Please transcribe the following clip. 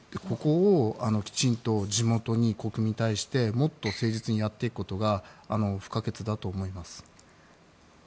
ここをきちんと地元、国民に対して誠実にやっていくことが不可欠だと思います。